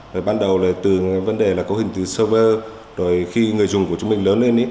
rồi ban đầu là từ vấn đề là có hình từ server rồi khi người dùng của chúng mình lớn lên